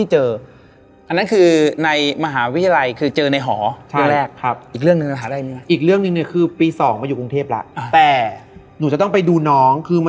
หนังก็บอกว่า